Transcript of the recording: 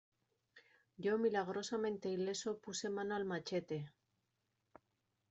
yo, milagrosamente ileso , puse mano al machete: